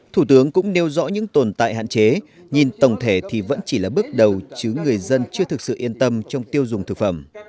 thủ tướng cũng nêu rõ những tồn tại hạn chế nhìn tổng thể thì vẫn chỉ là bước đầu chứ người dân chưa thực sự yên tâm trong tiêu dùng thực phẩm